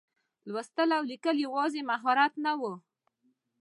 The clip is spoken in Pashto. لوستل او لیکل یوازې مهارت نه و.